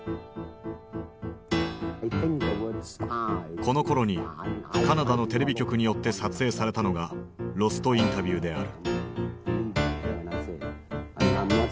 このころにカナダのテレビ局によって撮影されたのが「ロスト・インタビュー」である。